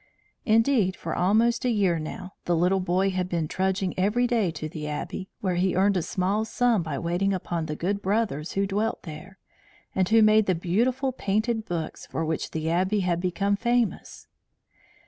Indeed, for almost a year now the little boy had been trudging every day to the Abbey, where he earned a small sum by waiting upon the good brothers who dwelt there, and who made the beautiful painted books for which the Abbey had become famous.